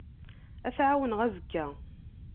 Ad t-ɛawneɣ azekka.